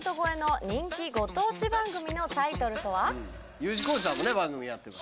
Ｕ字工事さんも番組やってたり。